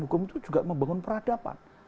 hukum itu juga membangun peradaban